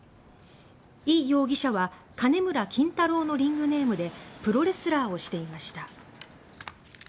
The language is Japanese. イ容疑者は金村キンタローのリングネームでプロレスラーをしていました。